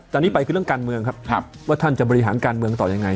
ตอนนี้ไปคือเรื่องการเมืองครับว่าท่านจะบริหารการเมืองต่อยังไง